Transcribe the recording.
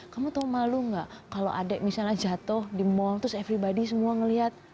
kamu tahu malu nggak kalau adik misalnya jatuh di mall terus everybody semua melihat